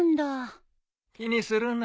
気にするな。